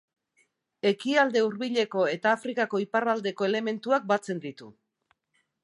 Ekialde Hurbileko eta Afrikako iparraldeko elementuak batzen ditu.